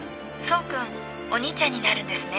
爽君お兄ちゃんになるんですね。